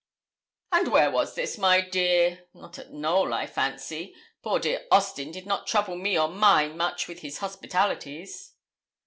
'And where was it, my dear? Not at Knowl, I fancy. Poor dear Austin did not trouble me or mine much with his hospitalities.'